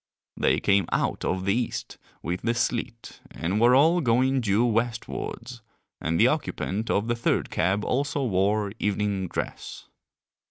They came out of the East with the sleet and were all going due westwards, and the occupant of the third cab also wore evening dress.